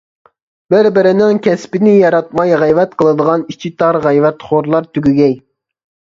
بىر-بىرىنىڭ كەسپىنى ياراتماي غەيۋەت قىلىدىغان ئىچى تار غەيۋەتخورلار تۈگىگەي.